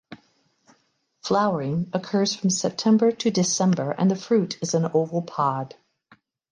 Flowering occurs from September to December and the fruit is an oval pod.